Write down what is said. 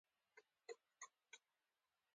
زړه هیڅکله ستړی نه کېږي.